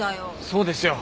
そうですよ。